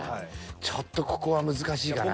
ちょっとここは難しいかなと。